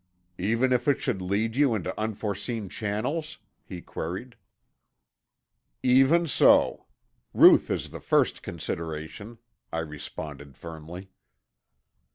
"Even if it should lead you into unforeseen channels?" he queried. "Even so. Ruth is the first consideration," I responded firmly.